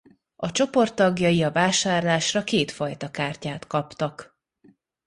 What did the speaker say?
A csoport tagjai a vásárlásra kétfajta kártyát kaptak.